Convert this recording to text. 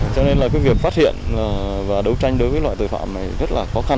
cho nên là cái việc phát hiện và đấu tranh đối với loại tội phạm này rất là khó khăn